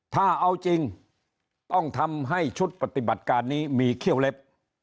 ถ้าเอาจริงต้องทำให้ชุดปฏิบัติการนี้มีเขี้ยวเล็บ